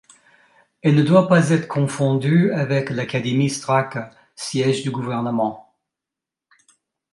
Elle ne doit pas être confondue avec l'académie Straka, siège du gouvernement.